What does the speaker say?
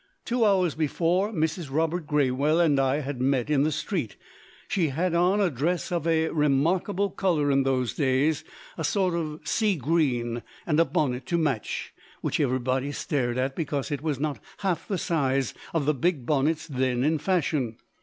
Two hours before, Mrs. Robert Graywell and I had met in the street. She had on a dress of a remarkable colour in those days a sort of sea green. And a bonnet to match, which everybody stared at, because it was not half the size of the big bonnets then in fashion.